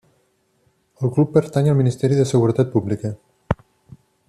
El club pertany al Ministeri de Seguretat Pública.